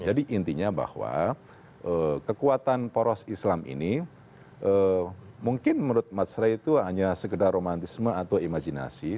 jadi intinya bahwa kekuatan poros islam ini mungkin menurut mas ray itu hanya sekedar romantisme atau imajinasi